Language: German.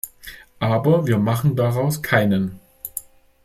Aber wir machen daraus keinen .